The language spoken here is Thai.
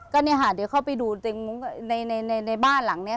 ก็เนี่ยค่ะเดี๋ยวเข้าไปดูในบ้านหลังนี้